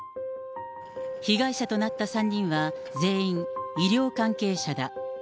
被害者となった３人は全員、医療関係者だ。